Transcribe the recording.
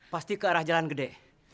pasti ke arah jalan gede